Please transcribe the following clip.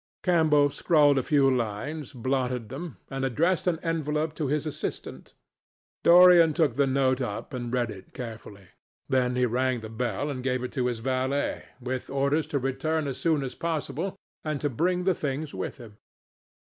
Campbell scrawled a few lines, blotted them, and addressed an envelope to his assistant. Dorian took the note up and read it carefully. Then he rang the bell and gave it to his valet, with orders to return as soon as possible and to bring the things with him.